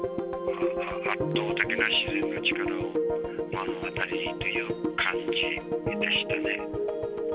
圧倒的な自然の力を目の当たりにしたという感じでしたね。